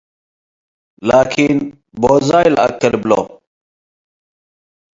ላኪን ቦዛይ ለአኬ ልብሎ።